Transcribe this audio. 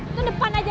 itu depan aja